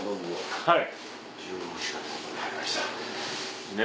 はい。